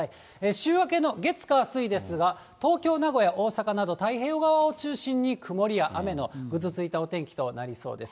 週明けの月、火、水ですが、東京、名古屋、大阪など、太平洋側を中心に、曇りや雨のぐずついたお天気となりそうです。